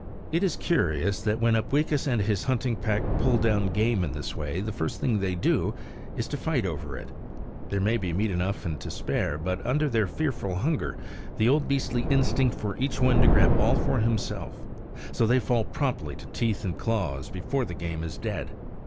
It is curious that when Upweekis and his hunting pack pull down game in this way the first thing they do is to fight over it. There may be meat enough and to spare, but under their fearful hunger is the old beastly instinct for each one to grab all for himself; so they fall promptly to teeth and claws before the game is dead.